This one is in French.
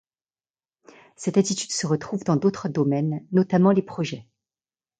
Cette attitude se retrouve dans d’autres domaines, notamment les projets.